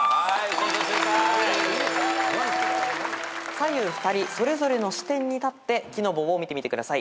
左右２人それぞれの視点に立って木の棒を見てみてください。